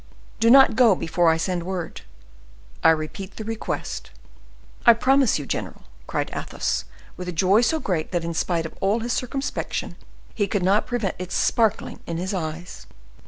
Do not go before I send word. I repeat the request." "I promise you, general," cried Athos, with a joy so great, that in spite of all his circumspection, he could not prevent its sparkling in his eyes.